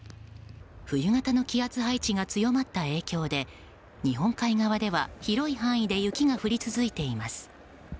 冬型の気圧配置が強まった影響で日本海側では広い範囲で雪が降り続いています。